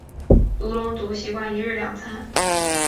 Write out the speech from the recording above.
独龙族习惯一日两餐。